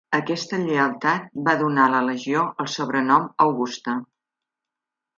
Aquesta lleialtat va donar a la legió el sobrenom "Augusta".